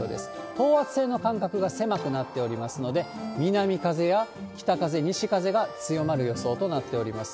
等圧線の間隔が狭くなっておりますので、南風や北風、西風が強まる予想となっております。